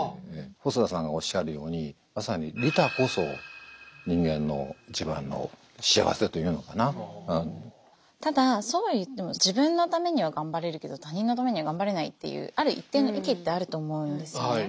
細田さんがおっしゃるようにまさにただそうは言っても自分のためには頑張れるけど他人のためには頑張れないっていうある一定の域ってあると思うんですよね。